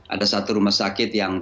ada satu rumah sakit yang